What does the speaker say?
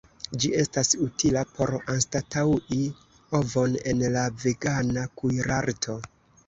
Ĝi estas utila por anstataŭi ovon en la vegana kuirarto.